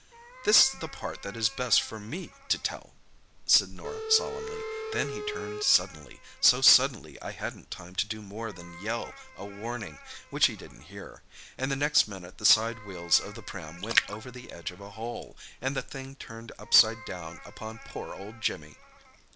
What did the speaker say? "This is the part that is best for me to tell," said Norah solemnly. "Then he turned suddenly, so suddenly I hadn't time to do more than yell a warning, which he didn't hear—and the next minute the side wheels of the pram went over the edge of a hole, and the thing turned upside down upon poor old Jimmy!"